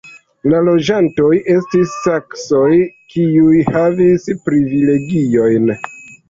La loĝantoj estis saksoj, kiuj havis privilegiojn.